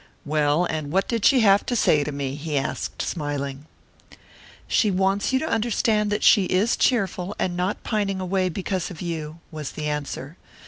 "Well, and what did she have to say to me?" he asked, smiling. "She wants you to understand that she is cheerful, and not pining away because of you," was the answer.